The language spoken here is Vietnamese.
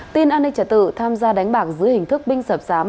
tin an ninh trả tự tham gia đánh bạc giữa hình thức binh sợp sám